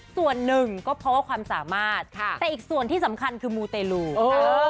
ส่วนหนึ่งก็เพราะว่าความสามารถค่ะแต่อีกส่วนที่สำคัญคือมูเตลูเออ